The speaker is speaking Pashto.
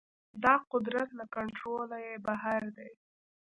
دا قدرت له کنټروله يې بهر دی.